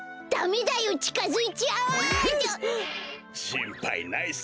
しんぱいないさ。